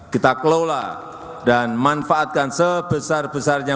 kita kelola dan manfaatkan sebesar besarnya